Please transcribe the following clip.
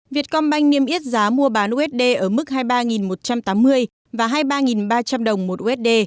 việt công banh niêm yết giá mua bán usd ở mức hai mươi ba một trăm tám mươi và hai mươi ba ba trăm linh đồng một usd